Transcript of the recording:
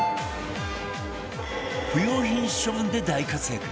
不用品処分で大活躍！